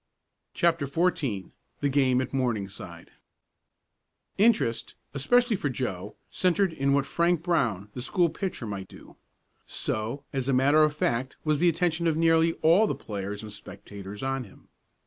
CHAPTER XIV THE GAME AT MORNINGSIDE Interest, especially for Joe, centered in what Frank Brown, the school pitcher, might do. So, as a matter of fact, was the attention of nearly all the players and spectators on him.